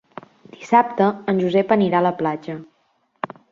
Dissabte en Josep anirà a la platja.